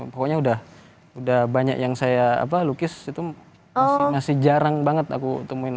pokoknya udah banyak yang saya lukis itu masih jarang banget aku temuin